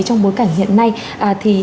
trong bối cảnh hiện nay thì